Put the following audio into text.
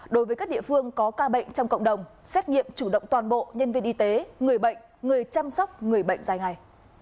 đối với các địa phương có ca bệnh trong cộng đồng xét nghiệm chủ động toàn bộ nhân viên y tế người bệnh người chăm sóc người bệnh dài ngày